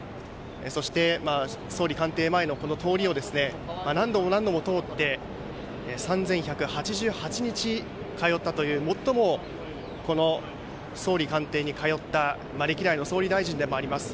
そして、総理官邸前のこの通りを何度も何度も通って３１８８日通ったという最も総理官邸に通った歴代の総理大臣でもあります。